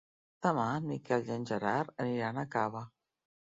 Demà en Miquel i en Gerard aniran a Cava.